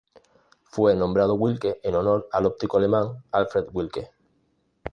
Fue nombrado Wilke en honor al óptico alemán Alfred Wilke.